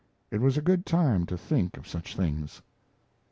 It was a good time to think of such things.